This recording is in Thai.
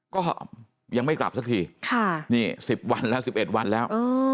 ก็ยังไม่กลับสักทีนี่๑๐วันแล้ว๑๑วันแล้ว